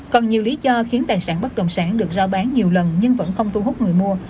còn nhiều lý do khiến tài sản bất động sản được rao bán nhiều lần nhưng vẫn không thu hút người mua